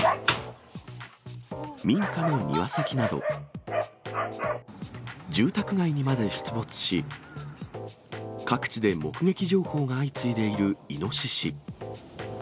民家の庭先など、住宅街にまで出没し、各地で目撃情報が相次いでいるイノシシ。